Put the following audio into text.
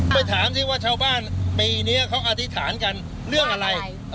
ไปถามสิว่าชาวบ้านปีนี้เขาอธิษฐานกันเรื่องอะไร